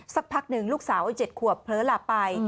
สักพักหนึ่งลูกสาวไอ้๗ขวบเผลอหลับไป